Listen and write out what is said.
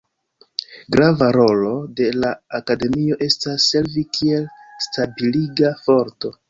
Grava rolo de la Akademio estas servi kiel stabiliga forto.